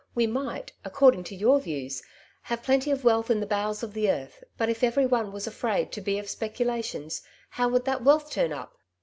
'^ We might, according to your views, have plenty of wealth in the bowoln of tho earth, but if every one was afraid to be of Hp(»cu lations how would that wealth turn up?''